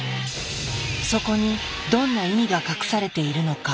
そこにどんな意味が隠されているのか。